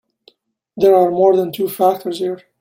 There are more than two factors here.